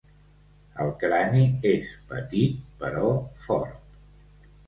El crani és petit però fort.